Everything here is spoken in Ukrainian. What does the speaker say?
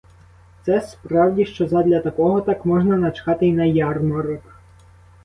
Це справді, що задля такого так можна начхати й на ярмарок.